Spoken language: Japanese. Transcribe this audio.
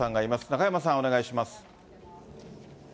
中山さん、お願いします。